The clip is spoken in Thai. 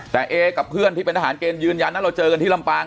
แต่เอกับเพื่อนที่เป็นทหารเกณฑ์ยืนยันนะเราเจอกันที่ลำปาง